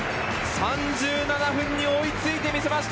３７分に追いついてみせました！